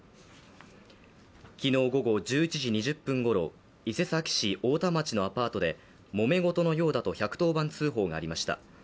昨日午後１１時２０分ごろ、伊勢崎市太田町のアパートでもめ事のようだと１１０番通報がありました。